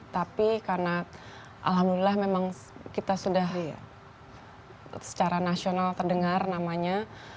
tapi karena alhamdulillah memang kita sudah secara nasional terdengar namanya